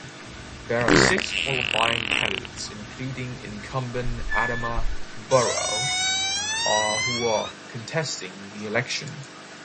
There are six qualifying candidates including incumbent Adama Barrow who are contesting the election.